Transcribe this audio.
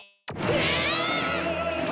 えっ？